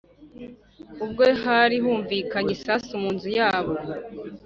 ubwo hari humvikanye isasu munzu yabo